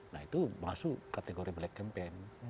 nah itu masuk kategori black campaign